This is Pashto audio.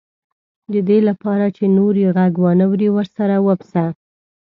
د دې لپاره چې نور یې غږ وانه وري ورسره وپسه.